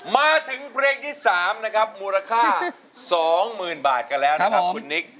มาถึงเพลงที่๓นะครับมูลค่า๒๐๐๐บาทกันแล้วนะครับคุณนิก